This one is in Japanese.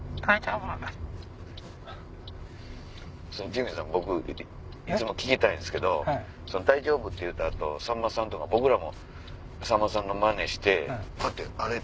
ジミーさん僕いつも聞きたいんですけど「大丈夫」って言うた後さんまさんとか僕らもさんまさんのマネしてこうやってあれ？